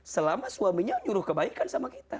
selama suaminya nyuruh kebaikan sama kita